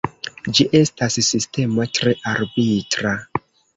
Ĝi estas sistemo tre arbitra.